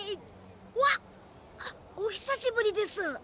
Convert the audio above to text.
わっおひさしぶりです。